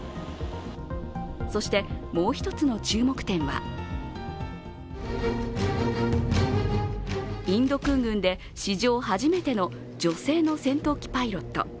そして、もう一つの注目点はインド空軍で史上初めての女性の戦闘機パイロット。